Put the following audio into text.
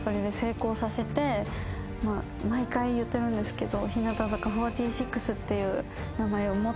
毎回言ってるんですけど。